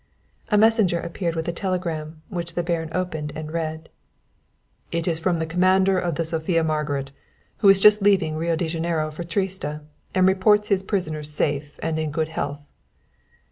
A messenger appeared with a telegram which the Baron opened and read. "It's from the commander of the Sophia Margaret, who is just leaving Rio Janeiro for Trieste, and reports his prisoners safe and in good health."